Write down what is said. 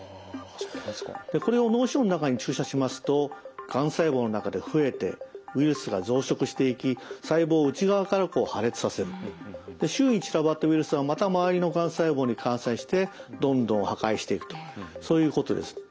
でこれを脳腫瘍の中に注射しますとがん細胞の中で増えてウイルスが増殖していき周囲に散らばったウイルスがまた周りのがん細胞に感染してどんどん破壊していくとそういうことです。